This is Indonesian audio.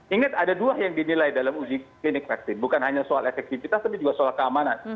ingat ada dua yang dinilai dalam uji klinik vaksin bukan hanya soal efektivitas tapi juga soal keamanan